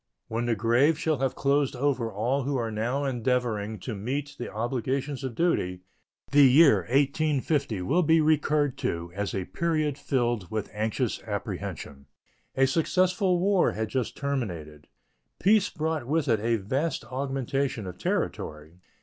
When the grave shall have closed over all who are now endeavoring to meet the obligations of duty, the year 1850 will be recurred to as a period filled with anxious apprehension. A successful war had just terminated. Peace brought with it a vast augmentation of territory.